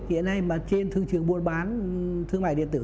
hiện nay mà trên thương trường buôn bán thương mại điện tử